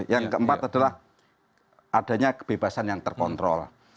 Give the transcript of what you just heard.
yang keempat adalah adanya kebebasan yang terkontrol